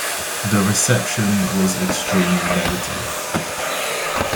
The reception was extremely negative.